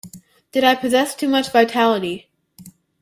Did I possess too much vitality.